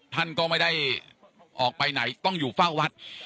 ท่านก็ไม่ได้ออกไปไหนต้องอยู่เฝ้าวัด